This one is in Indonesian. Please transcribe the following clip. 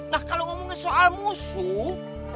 nah kalau ngomongin soal musuh